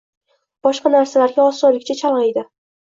boshqa narsalarga osonlikcha chalg‘iydi